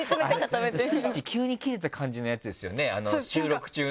スイッチ急に切れた感じのやつですよね収録中の。